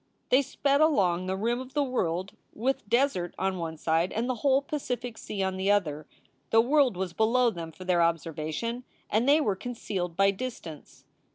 They sped along "the rim of the world" with desert on one side and the whole Pacific sea on the other. The world was below them for their observation and they were con cealed by distance.